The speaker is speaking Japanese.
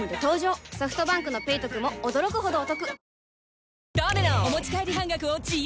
ソフトバンクの「ペイトク」も驚くほどおトク